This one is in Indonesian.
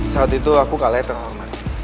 saat itu aku kalah ya tengah orman